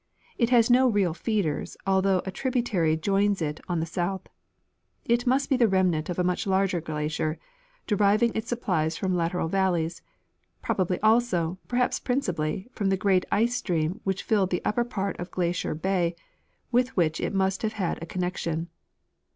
It has no real feeders, although a tributary joins it on the south. It must be the remnant of a much larger glacier, deriv ing its supplies from the lateral valleys ; probably also, perhaps principally, from the great ice stream which filled the upper part of Glacier bay, with which it must have had connection.